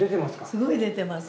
すごい出てます。